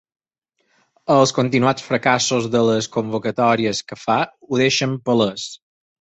Els continuats fracassos de les convocatòries que fa ho deixen palès.